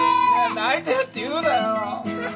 泣いてるって言うなよ。